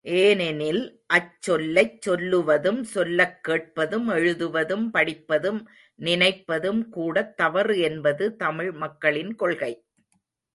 ஏனெனில், அச்சொல்லைச் சொல்லுவதும் சொல்லக் கேட்பதும் எழுதுவதும் படிப்பதும் நினைப்பதும் கூடத் தவறு என்பது தமிழ் மக்களின் கொள்கை.